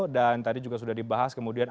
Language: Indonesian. dan tadi juga sudah dibahas kemudian